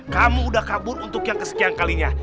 kamu udah kabur untuk yang kesekian kalinya